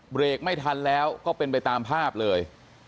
เบรกไม่ทันแล้วก็เป็นไปตามภาพเลย